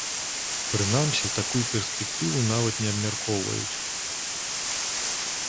Прынамсі, такую перспектыву нават не абмяркоўваюць.